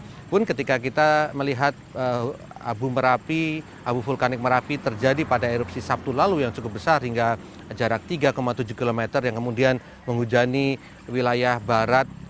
walaupun ketika kita melihat abu merapi abu vulkanik merapi terjadi pada erupsi sabtu lalu yang cukup besar hingga jarak tiga tujuh km yang kemudian menghujani wilayah barat